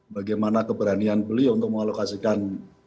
bagaimana keberanian beliau untuk mengalokasikan